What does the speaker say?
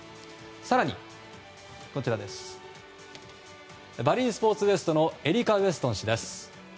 更に、バリー・スポーツ・ウェストのエリカ・ウェストン氏です。